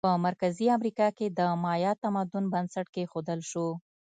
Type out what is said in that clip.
په مرکزي امریکا کې د مایا تمدن بنسټ کېښودل شو.